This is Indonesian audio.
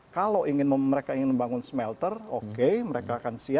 kalau mereka ingin membangun smelter oke mereka akan siap